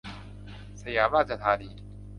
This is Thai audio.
สยามราชธานี